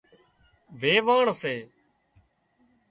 ويواڻ سي